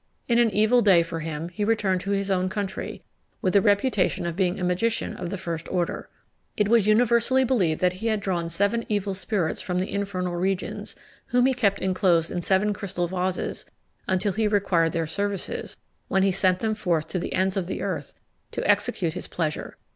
In an evil day for him, he returned to his own country, with the reputation of being a magician of the first order. It was universally believed that he had drawn seven evil spirits from the infernal regions, whom he kept enclosed in seven crystal vases until he required their services, when he sent them forth to the ends of the earth to execute his pleasure.